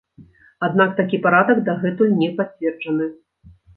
Аднак такі парадак дагэтуль не пацверджаны.